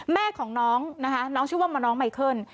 แม่ของน้องนะคะน้องชื่อว่ามน้องไมเคิล